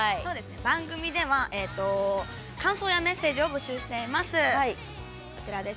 番組では感想やメッセージを募集しています。